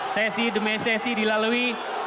sesi demesesi dilalui